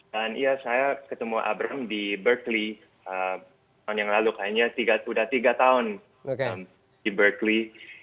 dan ya saya ketemu abram di berkeley tahun yang lalu kayaknya sudah tiga tahun di berkeley